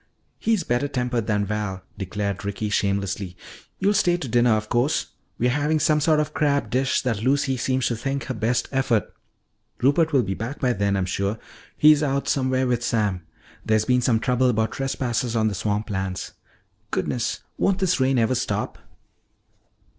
"He's better tempered than Val," declared Ricky shamelessly. "You'll stay to dinner of course. We're having some sort of crab dish that Lucy seems to think her best effort. Rupert will be back by then, I'm sure; he's out somewhere with Sam. There's been some trouble about trespassers on the swamp lands. Goodness, won't this rain ever stop?"